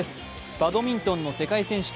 バドミントンの世界選手権。